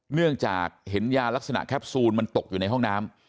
เนื่องจากเห็นยาลักษณะแคปซูลมันตกอยู่ในห้องน้ำ